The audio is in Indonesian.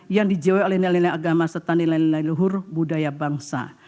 yang dijawai oleh nilai nilai agama serta nilai nilai luhur budaya bangsa